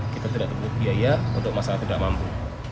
kita tidak tepuk biaya untuk masalah tidak mampu